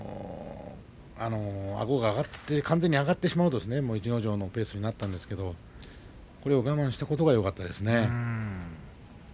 あごが完全に上がってしまうと逸ノ城のペースになったんですけど、これを我慢したことがよかったですね。